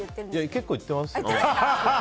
結構言ってますよ。